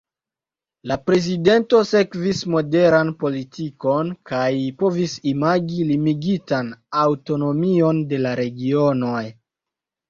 La prezidento sekvis moderan politikon kaj povis imagi limigitan aŭtonomion de la regionoj.